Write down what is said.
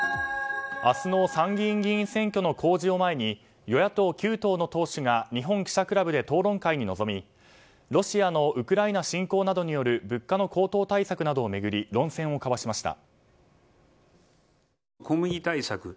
明日の参議院議員選挙の公示を前に与野党９党の党首が日本記者クラブで討論会に臨みロシアのウクライナ侵攻などによる物価の高騰対策などを巡り論戦を交わしました。